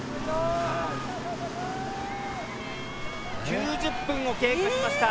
９０分を経過しました。